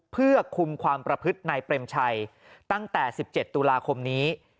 เพื่อคุมความประพฤตินายเปรมชัยตั้งแต่๑๗ตุลาคมนี้